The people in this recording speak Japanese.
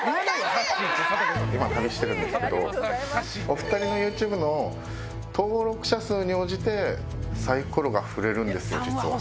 お２人のＹｏｕＴｕｂｅの登録者数に応じてサイコロが振れるんですよ実は。